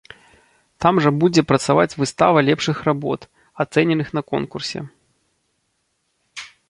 Там жа будзе працаваць выстава лепшых работ, ацэненых на конкурсе.